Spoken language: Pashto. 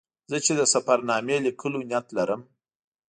زه چې د سفر نامې لیکلو نیت لرم.